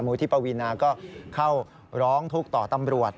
ที่ปวีนาก็เข้าร้องทุกข์ต่อตำรวจ